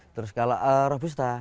terus kalau robusta